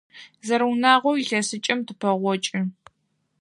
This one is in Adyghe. Зэрэунагъоу илъэсыкӏэм тыпэгъокӏы.